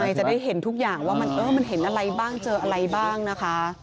จะได้เห็นทุกอย่างว่ามันเห็นอะไรบ้างเจออะไรบ้างนะคะ